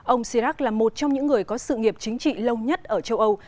ông chirac là một trong những người có sự nghiệp chính trị lâu nhất ở châu âu